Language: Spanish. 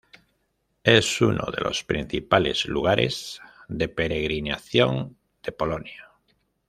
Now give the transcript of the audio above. Es uno de los principales lugares de peregrinación de Polonia.